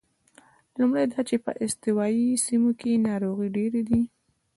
لومړی دا چې په استوایي سیمو کې ناروغۍ ډېرې دي.